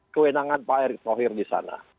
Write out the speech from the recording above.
kewenangan pak erick thohir di sana